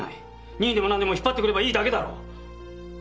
任意でもなんでも引っ張ってくればいいだけだろ。